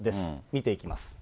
見ていきます。